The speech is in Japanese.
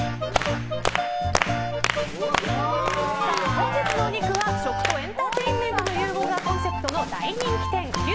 本日のお肉は食とエンターテインメントの融合がコンセプトの大人気店牛